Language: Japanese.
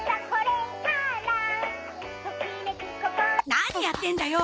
何やってんだよ！